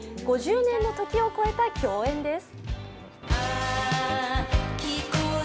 ５０年の時を超えた共演です。